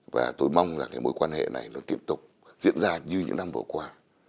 và tôi mong là cái mối quan hệ này nó tiếp tục diễn ra như những năm vừa qua